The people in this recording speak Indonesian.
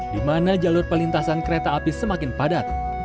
di mana jalur pelintasan kereta api semakin padat